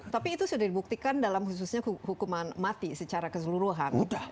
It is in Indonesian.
tapi itu sudah dibuktikan dalam khususnya hukuman mati secara keseluruhan